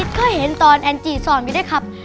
อิสเคยเห็นตอนแอนจีสอนไว้ได้ครับ